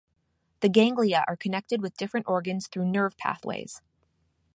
The ganglia are connected with different organs through nerve pathways.